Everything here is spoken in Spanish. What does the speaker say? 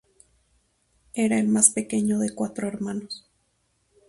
Era el más pequeño de cuatro hermanos.